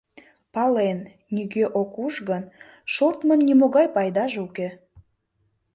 Пален: нигӧ ок уж гын, шортмын нимогай пайдаже уке.